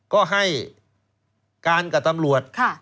ก็ให้การกับตำรวจ